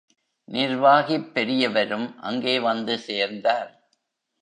நிர்வாகிப் பெரியவரும் அங்கே வந்து சேர்ந்தார்.